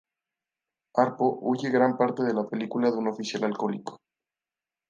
Harpo huye gran parte de la película de un oficial alcohólico.